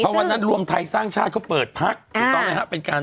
เพราะวันนั้นรวมไทยสร้างชาติเขาเปิดพักถูกต้องไหมครับ